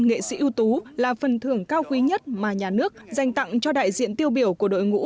nghệ sĩ ưu tú là phần thưởng cao quý nhất mà nhà nước dành tặng cho đại diện tiêu biểu của đội ngũ